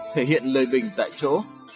thể hiện lời bình tại chỗ